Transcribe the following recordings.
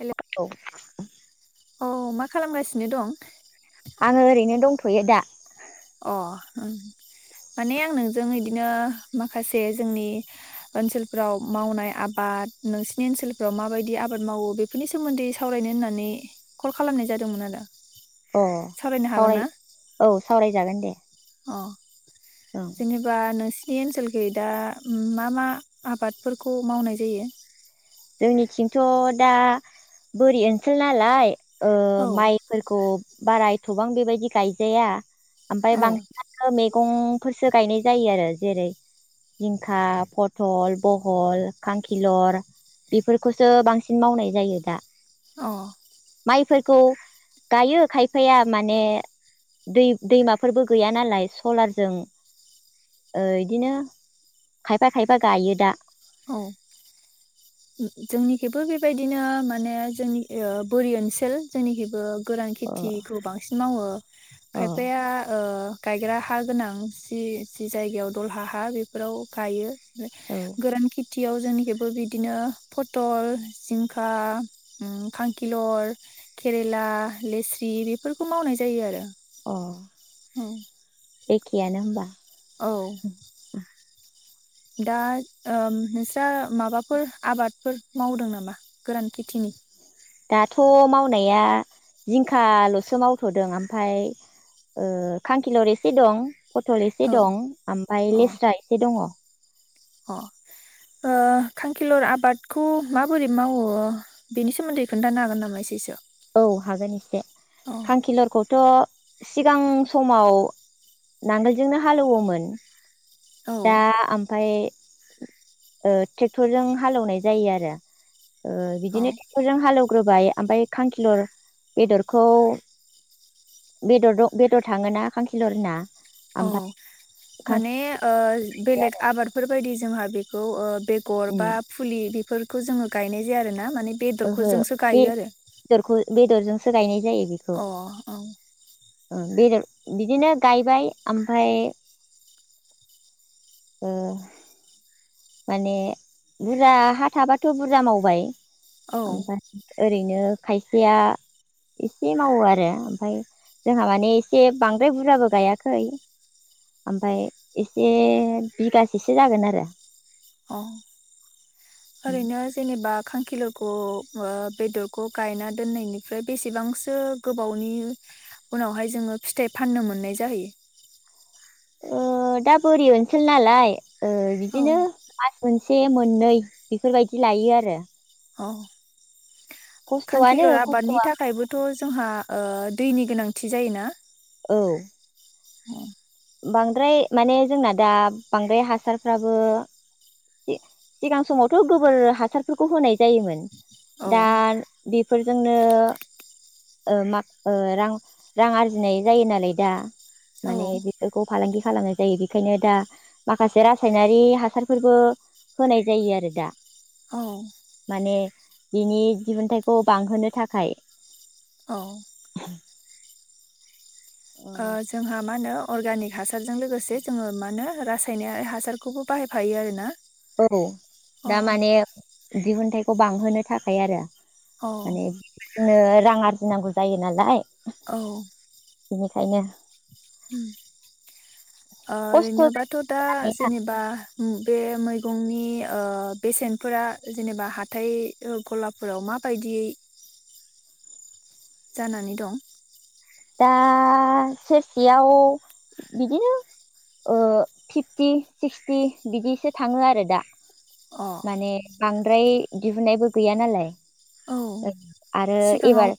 हेल' औ औ मा खालामगासिनो दं आङो ओरैनो दंथयो दा अ ओं माने आं नोंजों इदिनो माखासे जोंनि ओनसोलफोराव मावनाय आबाद नोंसिनि ओनसोलफ्राव माबायदि आबाद मावो बेफोरनि सोमोन्दै सावरायनो होननानै कल खालामनाय जादोंमोन आरो। अह सावरायनो हागोन सावराय ना औ सावराय जागोन दे अह ओं जेनेबा नोंसि नि ओनसोलखै दा मा मा आबादफोरखौ मावनाय जायो? जोंनिथिंथ दा बोरि ओनसोल नालाय ओ औ माइफोरखौ बारा एथबां बेबायदि गायजाया ओमफाय औ बांसिनानो मोइ मैगंफोरसो गायनाय जायो आरो जेरै जिंखा पथल बहल खांखिलर बेफोरखौसो बांसिन मावनाय जायो दा। अह माइफोरखौ गायो खायफाया माने दै दैमाफोरबो गैया नालाय सलारजों ओ इदिनो खायफा खायफा गायो दा। औ जोंनिखेबो बेबायदिनो माने जोंनि ओ बोरि ओनसोल जोंनिखैबो गोरान ओ खेथिखौ बांसिन मावो अ खायफाया ओ गायग्रा हा गोनां जि जि जायगायाव दलहा हा बेफोराव गायो ओ औ गोरानखि थियाव जोंनिखैबो बि दिनो पथल जिंखा खांखिलर केरेला लेस्रि बेफोरखौ मावनाय जायो आरो अह औ एखेआनो होनबा? औ दा ओम नोंस्रा माबाफोर आबादफोर मावदों नामा गोरान खेथिनि दाथ' मावनाया जिंखाल'सो मावथ'दों आमफाय ओह खांखिलर एसे दं। पथल एसे औ दं आमफाय लेस्रा एसे दङ। अह ओह खांखिलर आबादखौ माबोरै मावो बेनि सोमोन्दै खोन्थानो हागोन नामा एसेसो ओउ हागोन इसे औ खांखिलरखौथ' सिगां समाव नांगोलजोंनो हालेवोमोन औ दा आमफाय ओह टेक्टरजों हालेवनाय जायो आरो ओह बिदिनो टेक्टरजों हालौ ग्रोबाय आमफाय खांखिलर बेदरखौ बेदर द बेदर थाङोना खांखिलरना ओउ ओमफ्राय माने खांखिलर ओह बेलेग आबादफोर बायदि जोंहा बेखौ ओह बेगर उम बा फुलि बेफोर खौ जोङो गायनाय जाया आरो ना? माने बेदरखौ ओहो जोंसो बे गायो बेदरखो बेदरजों सो गायनाय अह औ ओह बेदर बिदिनो गायबाय आमफाय ओह माने बुरजा हा थाबाथ' बुरजा मावबाय औ आमफाय ओरैनो खायसेया इसे मावो आरो आमफाय जोंहा माने एसे बांद्राय बुरजाबो गायाखै आमफाय एसे बिगासेसो जागोन आरो अह ओरैनो जेनेबा खांखिल'खौ ओह बेदरखौ गायना दोननायनिफ्राय बेसेबांसो गोबावनि उनावहाय जोङो फिथाइ फाननो मोननाय जाहैयो? ओह दा बोरि ओनसोल नालाय ओह औ बिदिनो मास मोन से मोननै बेफोरबायदि लायो आरो औ खस्थ'आनो खांखिलर आबादनि खस्थ'आ थाखायबोथ' जोंहा ओ दैनि गोनांथि जायोना? औ। ओं। बांद्राय माने जोंना दा बांद्राय हासारफ्राबो सि सिगां समावथ' गोबोर हासारफोरखौ होनाय जायोमोन। औ दा बि फोरजोंनो ओ मा ओ रां रां आरजिनाय जायो नालाय दा। औ माने बि फालांगि खालामनाय जायो बेखायनो दा माखासे रासायनारि हासारफोरबो होनाय जायो आरो दा। औ। माने बिनि दिहुनथाइखौ बांहोनो थाखाय। औ। [unintelligible] ओ जोंहा मा होनो अर्गानिक हासारजों लोगोसे जोङो मा होनो रासायनारि हासारखौबो बाहायफायो आरोना। औ औ दा माने दिहुनथाइखौ बांहोनो थाखाय आरो। औ माने जोंनो रां आरजिनांगौ जायो नालाय। औ। बेनिखायनो। ओम खस्थ' ओरैनोबाथ' दा जानानै जेनेबा ओम बे मैगंनि नि ओ बेसेनफोरा जेनेबा हाथाय गलाफोराव मा बायदियै जानानै दं? दा सेरसेयाव बिदिनो ओ फिफ्टि सिक्सटि बिदिसो थाङो आरो दा। अ माने बांद्राय दिहुननायबो गैया नालाय। औ ओ आरो सिगाङाव एबार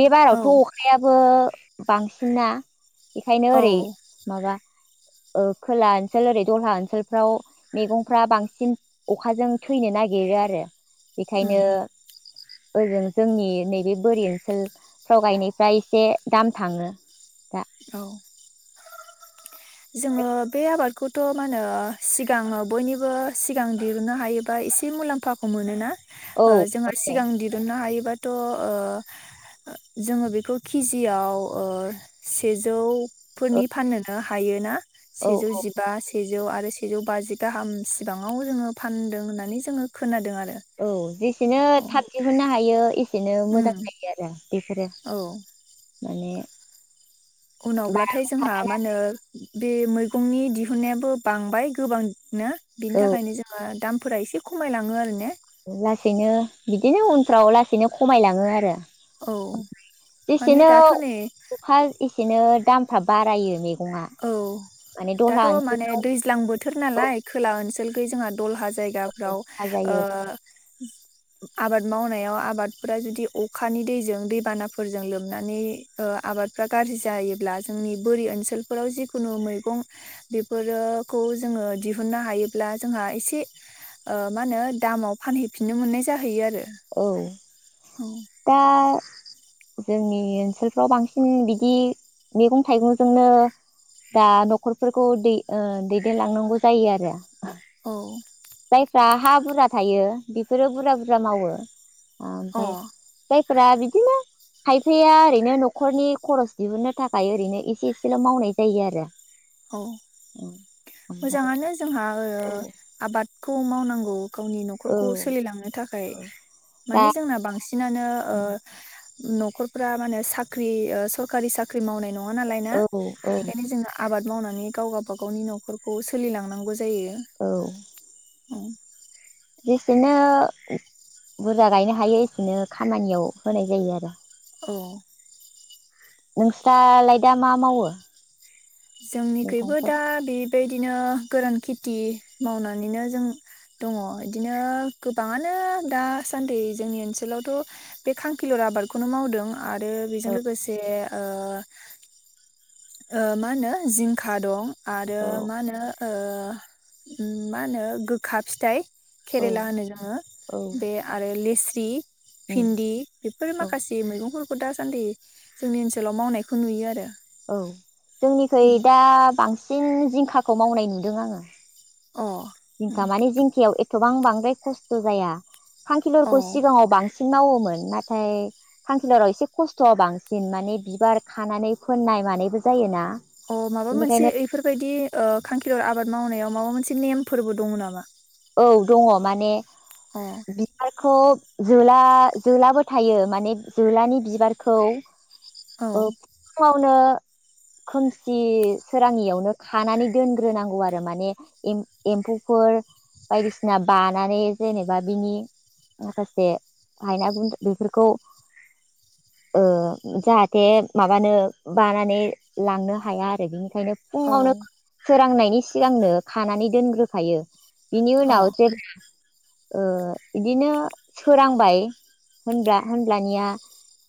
बे औ बारावथ' अखायाबो बांसिना। बेखायनो औ ओरै माबा ओ खोला ओनसोल ओरै दलहा ओनसोलफ्राव मैगंफ्रा बांसिन अखाजों थैनो नागिरो आरो। उम बेखायनो ओजों जोंनि नैबे बोरि ओनसोलफ्राव गायनायफ्रा एसे दाम थाङो दा औ। [unintelligible] जोङो बे आबादखौथ' मा होनो सिगाङो बयनिबो सिगां दरुननो हायोबा एसे मुलाम्फाखौ मोनोना। औ ओ जोंहा मोनो सिगां दिरुननो हायो बाथ'ओ-ओ जोङो बेखौ केजियाव ओ सेजौ फोरनि फाननोनो हायोना औ सेजौ औ जिबा सेजौ आरो सेजौ बाजि गाहाम सिबाङाव जोङो फानदों होननानै जोङो खोनादों आ औ जिस सेनो थाब दिहुनो हायो बिदिनो उम मोजां जायो आरो बिसोरो औ माने बारा उनावब्लाथाय जोंहा ओंखारा मा होनो बे मैगंनि दिहुनायाबो बांबाय गोबां नो बिनि औ थाखायनो जोंङा दाम फोरा एसे खमायलाङो आरो ने लासैनो बिदिनो उनफ्राव लासैनो खमायलाङो आरो औ । माने एसेनो दाथ' नै अखा एसेनो दामफ्रा बारायो मै औ दाथ' माने दैज्लां बोथोर नालाय खोला ओन [unintelligible] जोंहा दलहा जायगाफ्राव औ ओ जायो आबाद मावनायाव आबादफोरा जुदि अखानि दैजों दैबानाफोरजों लोमनानै ओ आबादफ्रा गाज्रि जायोब्ला जोंनि बोरि ओनसोल बे फोराव जिखुनु मैगं बेफोरोखौ जोङो दिहुननो हायोब्ला जोंहा एसे ओ मा होनो दामाव फानहैफिननो मोननाय जाहैयो आरो औ । दा जोंनि ओनसोलफ्राव बांसिन बिदि मैगं थाइगंजोंनो दा न'खरफोरखौ दै ओ दैदेनलांनांगौ जायो आरो । औ जायफ्रा हा बुरजा थायो बेफोरो बुरजा बुरजा मावो । आ औ अ ओमफ्राय जा फोरा बिदिनो खायफाया ओरैनो न'खरनि खरस दिहुनो थाखाय ओरैनो एसे एसेल' मावनाय जायो आरो । औ मोजाङानो जोंहा ओ ओमफ्राय आबाद खौ मावनांगौ गावनि औ न'खरखौ सोलिलांनो थाखाय दा माने जोंना बांसिनानो ओ न'खरफोरा माने साख्रि ओ सरकारि साख्रि मावनाय न नङा नालाय ना औ औ बेनिखायनो जोंङो आबाद मावनानै गाव गावबाागावनि न'खरखौ सोलिलांनांगौ जायो औ औ जेसेनो बुरजा गायनो हायो एसेनो खामानियाव होनाय जायो आरो । औ नोंस्रालाय दा मा मावो? जोंनिखैबो मैगंफोर दा बेबाय बिदिनो गोरान खेथि मावनानैनो जों दङ बिदिनो गोबाङानो दासान्दि जोंनि ओनसोलावथ' बे खांखिलुर आबादखौनो मावदों। आरो बेजों औ लोगोसे ओ ओ मा होनो जिंखा दं। आरो औ मा होनो ओ उम मा होनो गोखा फिथाइ औ केरेला होनो जोङो औ बे आरो लेस थि। उम भिन्दि बेफोर औ माखासे मैगंफोरखौ दा सान्दि जोंनि ओनसोलाव मावनायखौ नुयो आरो। औ जोंनिखै दा बांसि सिन जिंखाखौ मावनाय नुदों आङो। अ जिंखा माने जिंकियाव गोबां बांद्राय खस्थ जाया। फांखिलारखौ अ सिगाङाव बां सिन मावोमोन नाथाय थांखिलाराव एसे खस्थ बांसिन माने बिबार खानानै फोननाय मानायबो जायोना। अ माबामोनसे बेनिखायनो एफोरबायदि ओ खांखि लर आबाद मावनायाव माबा मोनसे नेमफोरबो दङ नामा? औ दङ माने अ बिबारखौ जोला जोलाबो थायो माने जोलानि बिबारखौ औ। खौनो खोमसि सोराङियावनो खानानै दोनग्रोनांगौ आरो माने एम-एम्फौफोर बायदिसिना बानानै जेनेबा बिनि माखासे हायना गुनद्रा बेफोरखौ ओ जाहाथे माबानो बानानै लांनो हाया आरो बेनि ओंखायनो औ फुङावनो सोरांनायनि सिगांनो खानानै दोनग्रो खायो। बिनि अ उनाव जेब्ला ओ बिदिनो सोरांबाय होनबा होनब्लानिया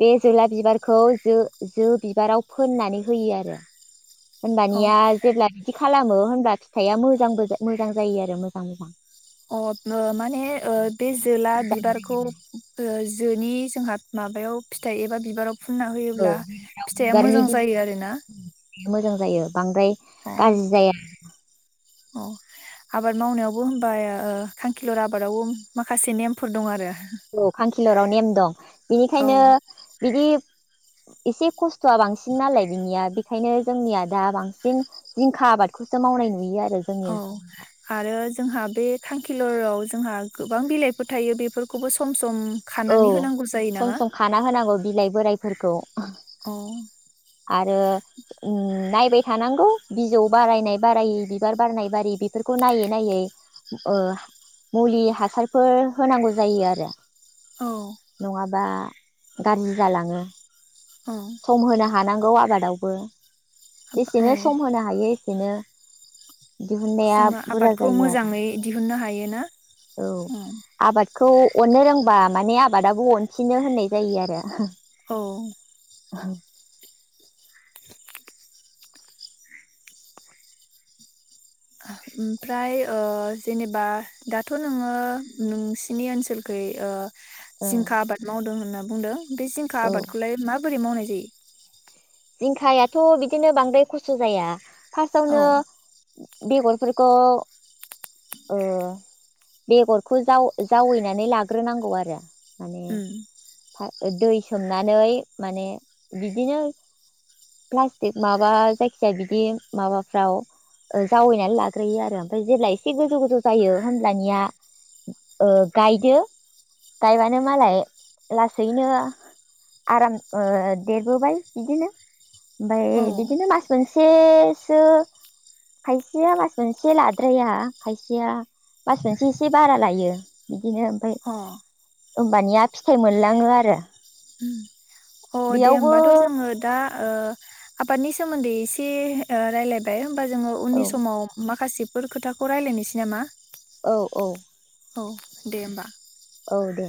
बे जोला बिबारखौ जो जो बिबाराव फोननानै होयो आरो। अ होमबानिया जेब्ला बिदि खालामो होनबब्ला फिथाइआ मोजांबो मोजां जायो आरो। [unintelligible] अ माने ओ बे जोला बिबारखौ ओ जोनि जोंहा माबायाव फिथाइ एबा बिबाराव फुनना औ होयोब्ला फिथाइया बिबारनि मोजां बिलाइया जायो आरो ना? मोजां जायो। बांद्राय गाज्रि जाया। अ आबाद मावनायावबो होनबा ओ खांखिलर आबादावबो माखासे नेमफोर दं आरो। औ खांखि किलराव नेम दं औ बिनिखायनो बिदि एसे खस खस्थआ बांसिन नालाय बिनिया ओंखायनो जोंनिया दा बांसिन जिंखा आबादखौसो मावनाय नुयो आरो जोंनि औ आरो जोंहा बे किलराव जोंहा गोबां बिलाइफोर थायो बेफोरखौबो सम सम औ खानानै होनांगौ जायो सम नामा? सम खाना होनांगौ बिलाइ बोराइ फोरखौ औ आरो ओम नाय बाय थानांगौ बिजौ बारायनाय बारायै बिबार बारनाय बारै बेफोरखौ नायै नायै ओ मुलि हासारफोर होनांगौ जायो आरो औ नङाबा गाज्रि जालाङो औ सम होनो हानांगौ आबादावबो आबा- औ बेेसेनो सम होनो हायो दिनो जोङो आबादखौ मोजाङै दिहुननो हायो ना औ उम आबाद खौ अननो रोंबा माने आबादाबो अनफिनो होननाय जायो आरो औ [unintelligible] ओमफ्राय जेनेबा दाथ' नोङो नोंसिनि ओनसोलखै ओ जिंखा आबाद मावदों होनना बुंदों बे जिंखा औ आबादखौलाय मा- बोरै मावनाय जायो जिंखायाथ बिदिनो बांद्राय खस्थ जाया औ फार्स्टआवनो बेगरफोरखौ ओ बेगरखौ जावैनानै लाग्रोनांगौ आरो माने उम फा दै सोमनानै माने बिदिनो प्लास्टिक माबा जायखिजाया बिदि माबाफ्राव जावैनानै लाग्रयो आरो ओमफ्राय जेब्ला एसे गोजौ गोजौ जायो होमब्लानिया ओ गायदो गायबानो मालाय लासैनो आराम ओ देरबोबाय बिदिनो ओमफ्राय औ बिदिनो मास मोनसेसो खायसेया मास मोनसे लाद्राया खायसेया मास मोनसे एसे बारा लायो बिदिनो ओमफ्राय अ होमबानिया फिथाइ मोनलाङो आरो। उम अ दे बेयावबो होमबाथ' जोङो दा ओ आबादनि सोमोन्दै एसे ओ रायलायबाय होमबा जोङो औ उननि समाव माखासे फोर खोथाखौ रायलायनोसै नामा? औ औ औ दे होमबा। औ दे।